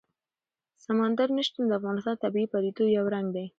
سمندر نه شتون د افغانستان د طبیعي پدیدو یو رنګ دی.